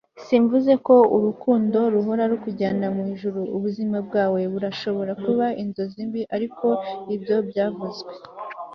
simvuze ko urukundo ruhora rukujyana mu ijuru ubuzima bwawe burashobora kuba inzozi mbi ariko ibyo byavuzwe